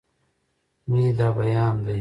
مې دا بيان دی